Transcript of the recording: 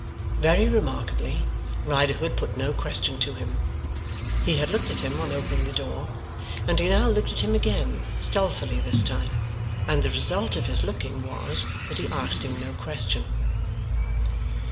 Very remarkably, Riderhood put no question to him. He had looked at him on opening the door, and he now looked at him again (stealthily this time), and the result of his looking was, that he asked him no question.